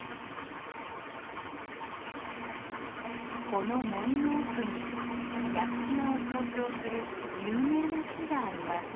この森の奥に屋久島を象徴する有名な木があります。